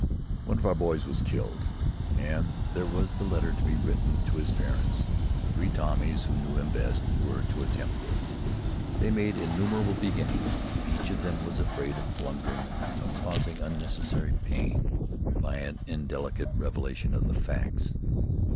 One of our boys was killed, and there was the letter to be written to his parents. Three Tommies who knew him best were to attempt this. They made innumerable beginnings. Each of them was afraid of blundering, of causing unnecessary pain by an indelicate revelation of the facts.